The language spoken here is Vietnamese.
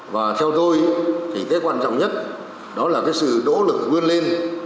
và theo tôi thì cái quan trọng nhất đó là cái sự nỗ lực vươn lên